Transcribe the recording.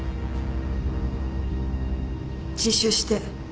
自首して。